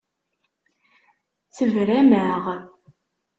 Tebram-aɣ.